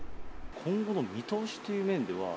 今後の見通しという面では。